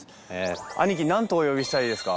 兄貴何とお呼びしたらいいですか？